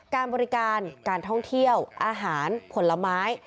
การบริการการท่องเที่ยวอาหารผลไม้